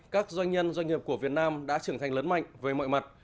các doanh nhân doanh nghiệp của việt nam đã trưởng thành lớn mạnh về mọi mặt